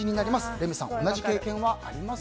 レミさん、同じ経験はありますか。